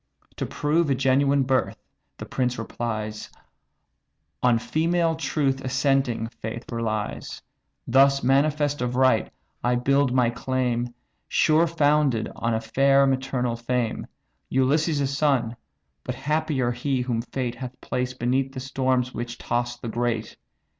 "To prove a genuine birth (the prince replies) On female truth assenting faith relies. Thus manifest of right, I build my claim Sure founded on a fair maternal fame, Ulysses' son: but happier he, whom fate Hath placed beneath the storms which toss the great!